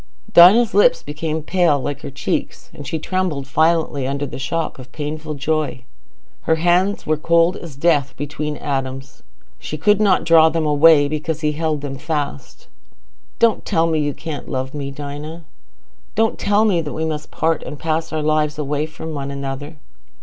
Dinah's lips became pale, like her cheeks, and she trembled violently under the shock of painful joy. Her hands were cold as death between Adam's. She could not draw them away, because he held them fast. "Don't tell me you can't love me, Dinah. Don't tell me we must part and pass our lives away from one another."